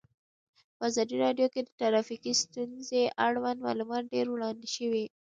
په ازادي راډیو کې د ټرافیکي ستونزې اړوند معلومات ډېر وړاندې شوي.